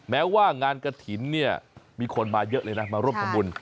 แม้ว่างานกระถิ่นเนี่ยมีคนมาเยอะเลยนะมาร่วมทำบุญ